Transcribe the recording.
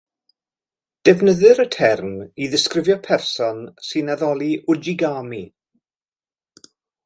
Defnyddir y term i ddisgrifio person sy'n addoli ujigami.